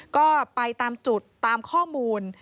ก็ไปตามจุดตามข้อมูล